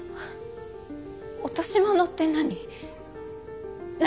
落とし物って何？